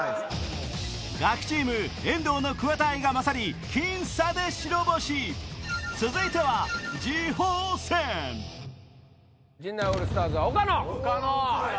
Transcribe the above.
ガキチーム遠藤の桑田愛が勝り僅差で白星続いては次鋒戦陣内オールスターズは岡野。